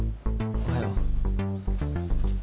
おはよう。